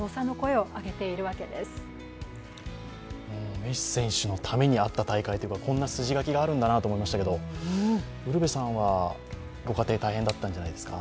メッシ選手のためにあった大会というかこんな筋書きがあるんだなと思いましたけどウルヴェさんはご家庭、大変だったんじゃないですか？